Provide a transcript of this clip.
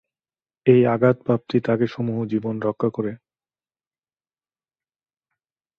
এ আঘাতপ্রাপ্তি তাকে সমূহ জীবন রক্ষা করে।